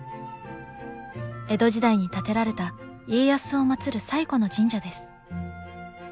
江戸時代に建てられた家康をまつる最古の神社です。